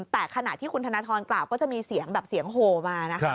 แต่ขณะที่คุณธนทรกล่าวก็จะมีเสียงแบบเสียงโหมานะคะ